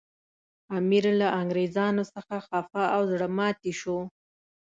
امیر له انګریزانو سخت خپه او زړه ماتي شو.